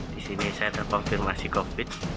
di sini saya terkonfirmasi covid